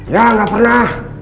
ya gak pernah